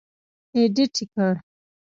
اېډېټ کړ.